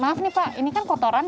maaf nih pak ini kan kotoran